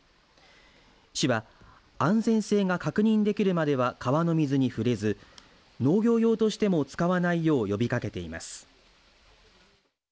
市は安全性が確認できるまでは川の水に触れず農業用としても使わないよう呼びかけています。